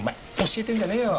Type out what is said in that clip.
教えてんじゃねーよ！